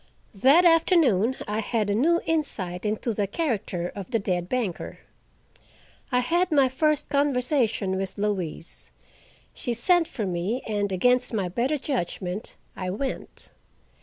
That afternoon I had a new insight into the character of the dead banker. I had my first conversation with Louise. She sent for me, and against my better judgment I went.